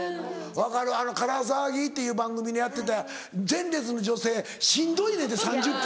分かるあの『から騒ぎ』っていう番組でやってて前列の女性しんどいねんて３０分。